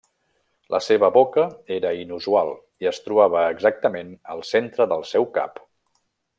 La seva boca era inusual i es trobava exactament al centre del seu cap.